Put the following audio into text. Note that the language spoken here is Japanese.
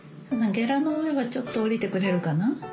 ゲラの上はちょっと下りてくれるかな？